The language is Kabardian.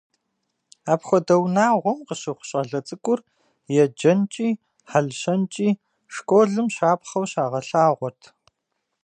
Апхуэдэ унагъуэм къыщыхъу щӀалэ цӀыкӀур еджэнкӀи хьэлщэнкӀи школым щапхъэу щагъэлъагъуэрт.